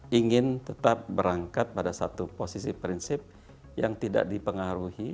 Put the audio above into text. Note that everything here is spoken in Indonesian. jadi kita ingin tetap berangkat pada satu posisi prinsip yang tidak dipengaruhi